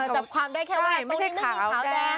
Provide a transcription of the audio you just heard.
จับความได้แค่ว่าต้องไม่มีขาวแดง